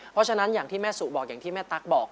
เพราะฉะนั้นอย่างที่แม่สุบอกอย่างที่แม่ตั๊กบอก